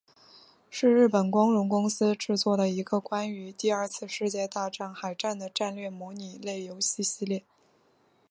是日本光荣公司制作的一个关于第二次世界大战海战的战略模拟类游戏系列。